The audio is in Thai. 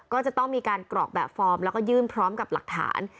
ก็จะต้องมีการกรอกแบบฟอร์มแล้วก็ยื่นพร้อมกับหลักฐาน